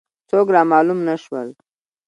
څوک را معلوم نه شول.